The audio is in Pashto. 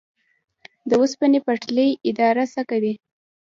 د اوسپنې پټلۍ اداره څه کوي؟